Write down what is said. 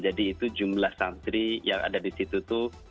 jadi itu jumlah santri yang ada di situ itu